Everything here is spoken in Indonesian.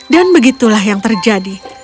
dan begitulah yang terjadi